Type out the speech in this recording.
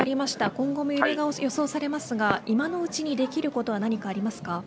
今後も揺れが予想されますが今のうちにできることは何かありますか。